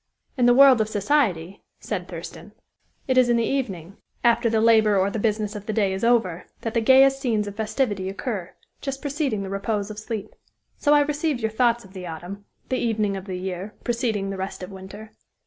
"In the world of society," said Thurston, "it is in the evening, after the labor or the business of the day is over, that the gayest scenes of festivity occur, just preceding the repose of sleep. So I receive your thought of the autumn the evening of the year, preceding the rest of winter.